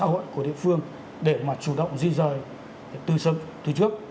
các kinh tế xã hội của địa phương để mà chủ động di rời từ trước